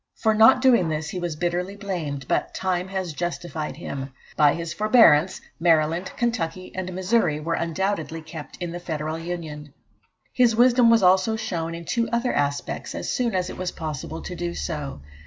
For not doing this he was bitterly blamed, but time has justified him. By his forbearance, Maryland, Kentucky, and Missouri were undoubtedly kept in the Federal Union. His wisdom was also shown in two other respects, as soon as it was possible to do so.